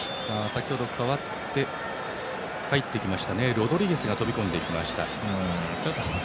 先程代わって入ったロドリゲスが飛び込んでいきました。